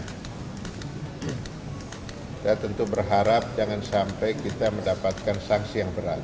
kita tentu berharap jangan sampai kita mendapatkan sanksi yang berat